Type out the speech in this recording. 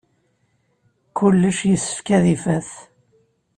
Kullec yessefk ad ifak.